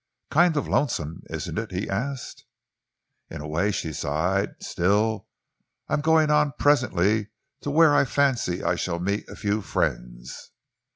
"Kind of lonesome, isn't it?" he asked. "In a way," she sighed. "Still, I am going on presently to where I fancy I shall meet a few friends."